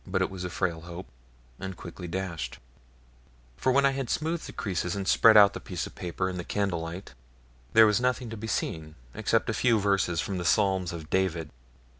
It was but a frail hope, and quickly dashed; for when I had smoothed the creases and spread out the piece of paper in the candle light, there was nothing to be seen except a few verses from the Psalms of David.